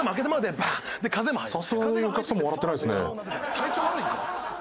体調悪いんか？